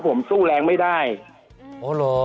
คุณติเล่าเรื่องนี้ให้ฮะ